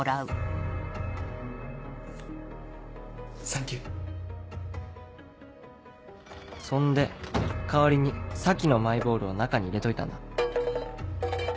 サンキュそんで代わりに佐木のマイボールを中に入れといたんだ。